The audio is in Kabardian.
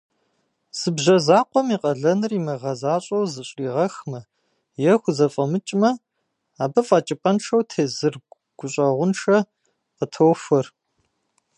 Зы бжьэ закъуэм и къалэныр имыгъэзащӀэу зыщӀригъэхмэ е хузэфӀэмыкӀмэ, абы фӀэкӀыпӀэншэу тезыр гущӀэгъуншэ къытохуэр.